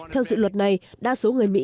theo dự luật này đa số người mỹ